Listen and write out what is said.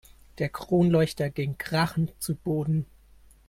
Der Kronleuchter ging krachend zu Boden.